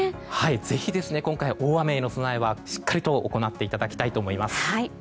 ぜひ今回、大雨への備えはしっかりと行っていただきたいと思います。